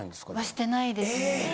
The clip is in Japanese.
してないですね。